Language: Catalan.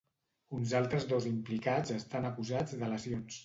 Uns altres dos implicats estan acusats de lesions.